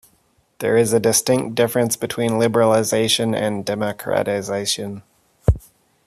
There is a distinct difference between liberalization and democratization.